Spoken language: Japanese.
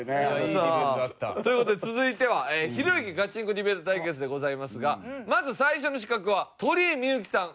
さあという事で続いては「ひろゆきガチンコディベート対決！」でございますがまず最初の刺客は鳥居みゆきさん。